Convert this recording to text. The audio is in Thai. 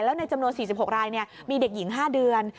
แล้วในจำนวน๔๖รายมีเด็กหญิง๕เดือน